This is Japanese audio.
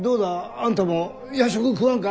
あんたも夜食食わんか？